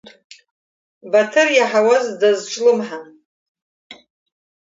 Баҭыр иаҳауаз дазҿлымҳан.